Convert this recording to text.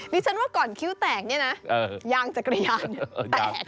ทีชั้นว่าก่อนคิ๋วแตกเนี่ยนะยางจักรยานตะง